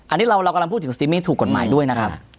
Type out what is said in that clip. อันนี้เรากำลังพูดถึงสติมี่ถูกกฎหมายด้วยนะครับ